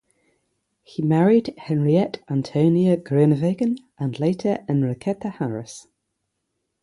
He married Henriette Antonia Groenewegen and later Enriqueta Harris.